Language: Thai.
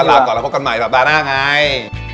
ลาก่อนแล้วพบกันใหม่สัปดาห์หน้าไง